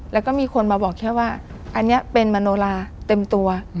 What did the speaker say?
แล้วก็มีคนมาบอกแค่ว่าอันนี้เป็นมโนลาเต็มตัว